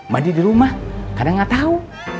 mandi di rumah kadang nggak tahu